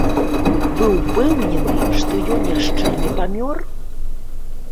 Вы ўпэўнены, што ён яшчэ не памёр?